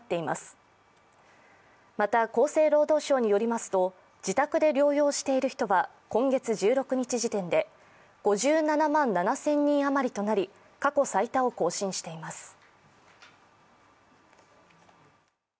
また、厚生労働省によりますと自宅で療養している人は今月１６日時点で５７万７０００人あまりとなり過去最多を更新しています。